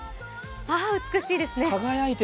あぁ美しいですね。